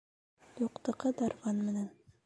Юҡтыҡы дарман менән.